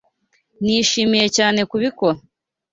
Nishimiye cyane kubikora.